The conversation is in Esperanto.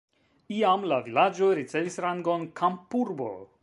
Iam la vilaĝo ricevis rangon kampurbo.